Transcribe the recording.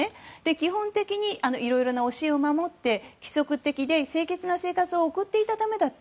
基本的にいろいろな教えを守って規則的で清潔な生活を送っていたためだった。